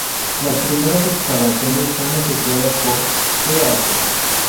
Las primeras excavaciones son efectuadas por Th.